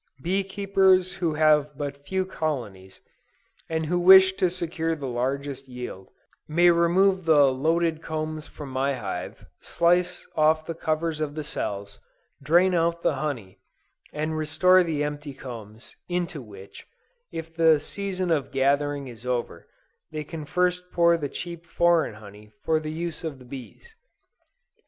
Bee Keepers who have but few colonies, and who wish to secure the largest yield, may remove the loaded combs from my hive, slice off the covers of the cells, drain out the honey, and restore the empty combs, into which, if the season of gathering is over, they can first pour the cheap foreign honey for the use of the bees.